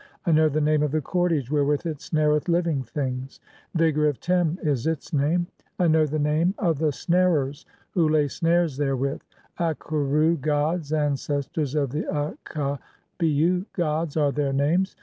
I know the name of the cordage wherewith it snareth "[living things]; 'Vigour of Tem' [is its name], (n) I know the "name of the snarers who lay snares therewith ; 'Akeru gods, "ancestors of the Akhabiu gods' [are their names].